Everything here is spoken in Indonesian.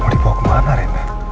mau dibawa kemana rena